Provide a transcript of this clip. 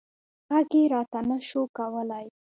غږ یې راته نه شو کولی.